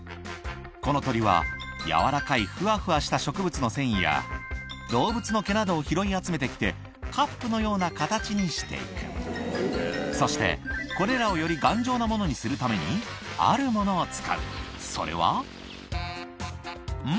この鳥は柔らかいフワフワした植物の繊維や動物の毛などを拾い集めて来てカップのような形にして行くそしてこれらをより頑丈なものにするためにあるものを使うそれはん？